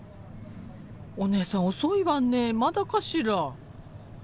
お姉さん遅いわねまだかしら？